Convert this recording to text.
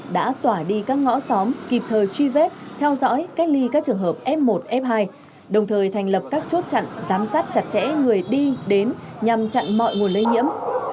đã tỏa đi các ngõ xóm kịp thời truy vết theo dõi cách ly các trường hợp f một f hai đồng thời thành lập các chốt chặn giám sát chặt chẽ người đi đến nhằm chặn mọi nguồn lây nhiễm